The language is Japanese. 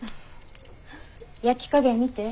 焼き加減見て。